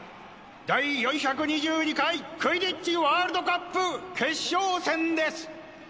第４２２回クィディッチ・ワールドカップ決勝戦です！